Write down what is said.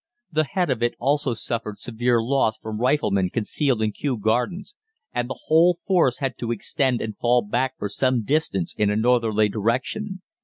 The head of it also suffered severe loss from riflemen concealed in Kew Gardens, and the whole force had to extend and fall back for some distance in a northerly direction.